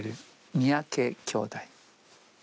三宅兄妹？